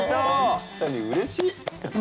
本当にうれしい！